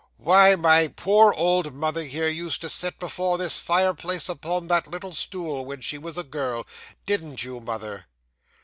Why, my poor old mother, here, used to sit before this fireplace upon that little stool when she was a girl; didn't you, mother?